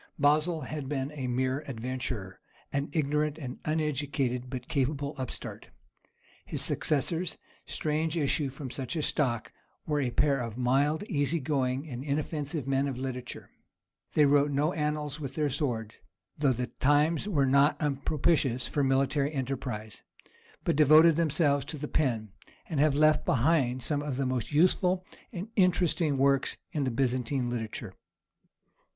Basil had been a mere adventurer, an ignorant and uneducated but capable upstart. His successors—strange issue from such a stock—were a pair of mild, easy going, and inoffensive men of literature. They wrote no annals with their sword, though the times were not unpropitious for military enterprise, but devoted themselves to the pen, and have left behind them some of the most useful and interesting works in Byzantine literature.